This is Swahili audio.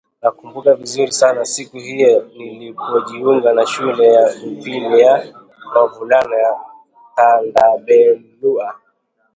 "Nakumbuka vizuri sana siku hiyo nilipojiunga na shule ya upili ya wavulana ya Tandabelua"